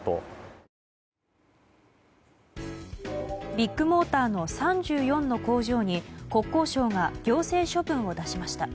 ビッグモーターの３４の工場に国交省が行政処分を出しました。